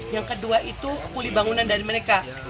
yang kedua itu pulih bangunan dari mereka